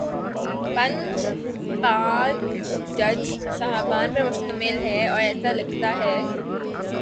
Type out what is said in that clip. Bench پانچ جج صاحبان پر مشتمل ہے، اور ایسا لگتا ہے۔